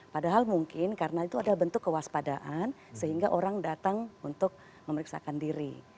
padahal mungkin karena itu ada bentuk kewaspadaan sehingga orang datang untuk memeriksakan diri